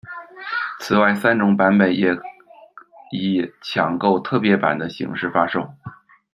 此外，三种版本也以「抢购特别版」的形式发售。